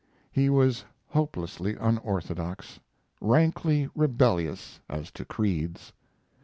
He was hopelessly unorthodox rankly rebellious as to creeds.